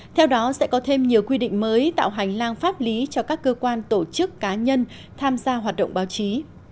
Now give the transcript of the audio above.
theo đó sẽ có thêm nhiều quy định mới tạo hành lang pháp lý cho các cơ quan tổ chức cá nhân tham gia hoạt động báo chí